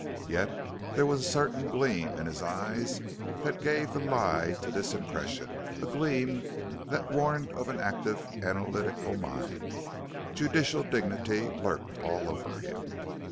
Yet there was a certain gleam in his eyes that gave the lie to this impression, a gleam that warned of an active, analytical mind. Judicial dignity lurked all over him.